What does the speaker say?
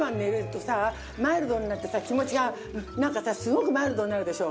とさマイルドになってさ気持ちがなんかさすごくマイルドになるでしょ。